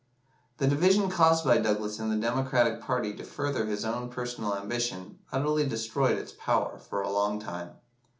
'" The division caused by Douglas in the Democratic party to further his own personal ambition, utterly destroyed its power for a long time.